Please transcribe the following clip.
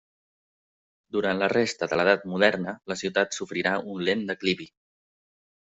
Durant la resta de l'Edat Moderna la ciutat sofrirà un lent declivi.